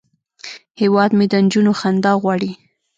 هیواد مې د نجونو خندا غواړي